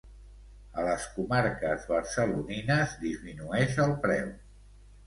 A les comarques barcelonines disminueix el preu.